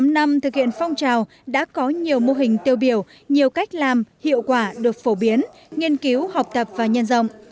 một mươi năm năm thực hiện phong trào đã có nhiều mô hình tiêu biểu nhiều cách làm hiệu quả được phổ biến nghiên cứu học tập và nhân rộng